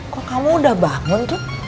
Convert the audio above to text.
kok kamu udah bangun tuh